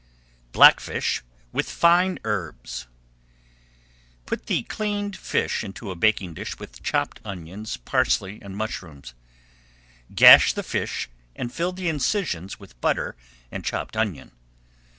BLACKFISH WITH FINE HERBS Put the cleaned fish into a baking dish with chopped onions, parsley and mushrooms. Gash the fish and fill the incisions with butter and chopped onion.